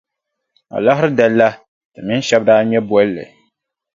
Alahiri dali la, ti mini shɛba daa ŋme bolli.